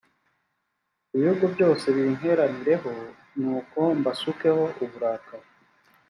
ibihugu byose binteranireho nuko mbasukaho uburakari